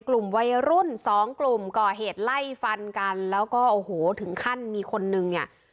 กลุ่มวัยรุ่นสองกลุ่มก่อเหตุไล่ฟันกันแล้วก็โอ้โหถึงขั้นมีคนนึงเนี่ย